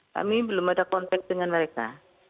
kami belum ada kontak dengan mereka